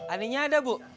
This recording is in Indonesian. aninya ada bu